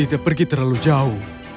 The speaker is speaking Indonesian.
tidak pergi terlalu jauh